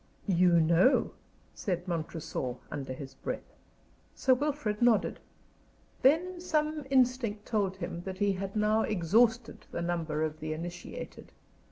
"You know?" said Montresor, under his breath. Sir Wilfrid nodded. Then some instinct told him that he had now exhausted the number of the initiated.